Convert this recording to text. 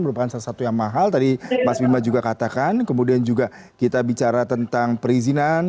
merupakan salah satu yang mahal tadi mas bima juga katakan kemudian juga kita bicara tentang perizinan